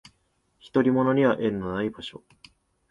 独り者には縁のない場所